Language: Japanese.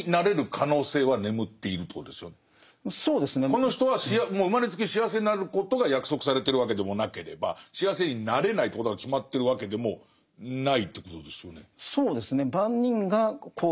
この人は生まれつき幸せになることが約束されてるわけでもなければ幸せになれないということが決まってるわけでもないということですよね。